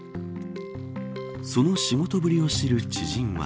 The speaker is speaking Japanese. その仕事ぶりを知る知人は。